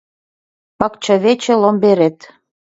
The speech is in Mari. Пакчавече ломберет